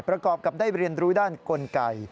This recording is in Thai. ประกอบกับได้เรียนรู้ด้านกลไก